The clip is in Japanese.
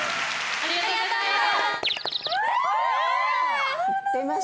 ありがとうございます。